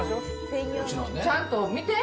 ちゃんと見て。